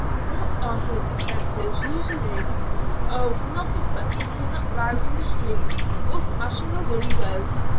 "What are his offences usually?" "Oh, nothing but kicking up rows in the streets, or smashing a window.